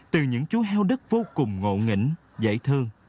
từ những chú heo đất vô cùng ngộ nghĩnh dễ thương